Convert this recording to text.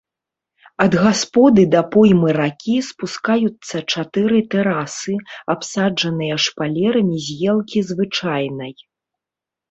Ад гасподы да поймы ракі спускаюцца чатыры тэрасы, абсаджаныя шпалерамі з елкі звычайнай.